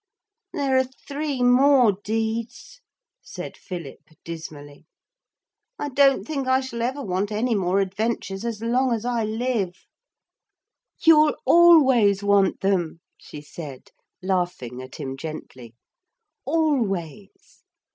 'There are three more deeds,' said Philip dismally; 'I don't think I shall ever want any more adventures as long as I live.' 'You'll always want them,' she said, laughing at him gently, 'always.